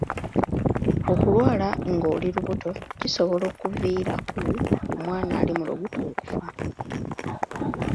Okulwala ng'oli lubuto kisobola okuviirako omwana ali mu lubuto okufa.